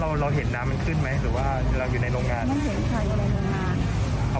ตอนนั้นเราเห็นน้ำมันขึ้นไหมหรือว่าเราอยู่ในโรงงานใช่อยู่ในโรงงาน